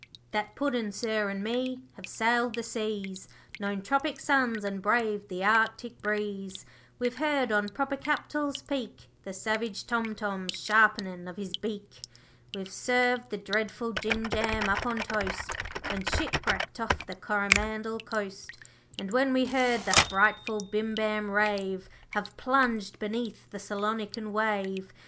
'That Puddin', sir, an' me have sailed the seas, Known tropic suns, and braved the Arctic breeze, We've heard on Popocatepetl's peak The savage Tom Tom sharpenin' of his beak, We've served the dreadful Jim Jam up on toast, When shipwrecked off the Coromandel coast, And when we heard the frightful Bim Bam rave, Have plunged beneath the Salonican wave.